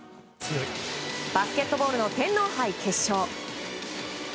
バスケットボールの天皇杯決勝。